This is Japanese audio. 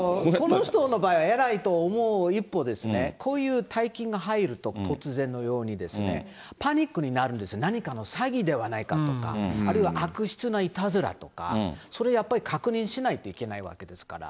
この人の場合は偉いと思う一方、こういう大金が入ると、突然のようにですね、パニックになるんです、何かの詐欺ではないかとか、あるいは悪質ないたずらとか、それ、やっぱり確認しないといけないわけですから。